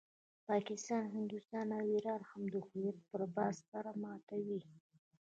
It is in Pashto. پاکستان، هندوستان او ایران هم د هویت پر بحث سر ماتوي.